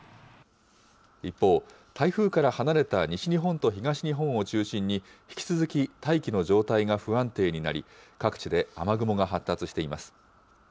一方、台風から離れた西日本と東日本を中心に、引き続き大気の状態が不安定になり、各地で雨雲が発達しています。